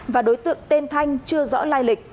và đối tượng tên thanh chưa rõ lai lịch